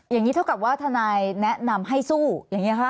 อย่างนี้เท่ากับว่าทนายแนะนำให้สู้อย่างนี้ค่ะ